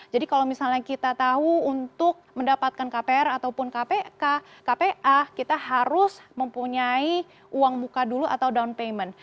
jadi kalau misalnya kita tahu untuk mendapatkan kpr ataupun kpa kita harus mempunyai uang muka dulu atau down payment